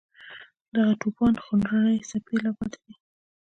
د دغه توپان خونړۍ څپې لا پاتې دي.